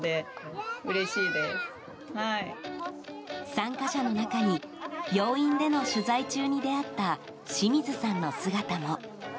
参加者の中に病院での取材中に出会った清水さんの姿も。